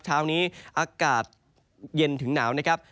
เช้านี้อากาศเย็นถึงหนาวนะครับ